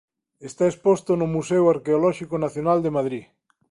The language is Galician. Está exposto no Museo Arqueolóxico Nacional de Madrid.